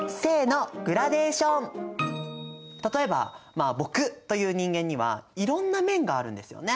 例えばまあ僕という人間にはいろんな面があるんですよね。